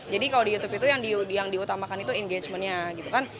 jadi kalau di youtube itu yang diutamakan itu engagement nya